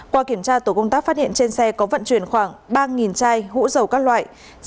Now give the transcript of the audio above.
qua kiểm tra tổ công tác phát hiện trên xe có vận chuyển khoảng ba chai hũ dầu các loại